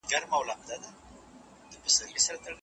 ولي محنتي ځوان د مستحق سړي په پرتله هدف ترلاسه کوي؟